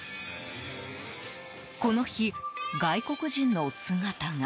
この日、外国人の姿が。